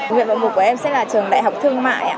nguyện vọng mục của em sẽ là trường đại học thương mại